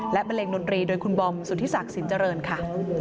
และบันเลงดนตรีโดยคุณบอมสุธิศักดิ์สินเจริญค่ะ